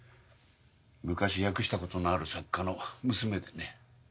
昔訳したことのある作家の娘でね。